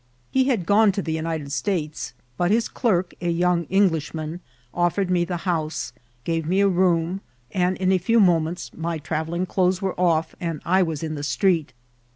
He kad gone to the United States ; but his ckrky a young Bnglisfanian, offered me the house, gave me a room, aad in a few momensis my traveUing (detkes were off* md I was in the street.